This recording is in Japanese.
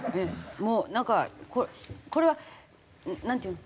もうなんかこれはなんていうの？